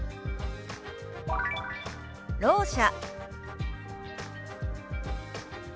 「ろう者」。